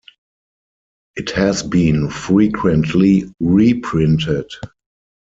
It has been frequently reprinted.